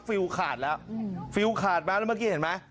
ฟิลขาดแล้วฟิลขาดมาแล้วเมื่อกี้เห็นไหม